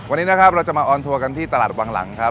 วันนี้นะครับเราจะมาออนทัวร์กันที่ตลาดวังหลังครับ